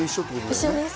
一緒です